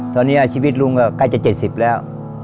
ตอนนี้ชีวิตลุงก็ใกล้จะ๗๐แล้ว